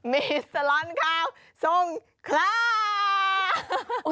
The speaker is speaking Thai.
มีสลอนข้าวส่งคลา